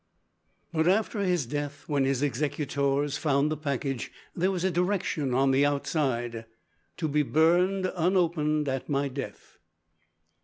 But after his death, when his executors found the package, there was a direction on the outside: "To be burned unopened at my death."